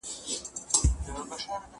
پر چا باندي د خاوند خبري منل واجب دي؟